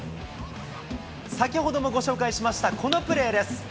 先ほどもご紹介しました、このプレーです。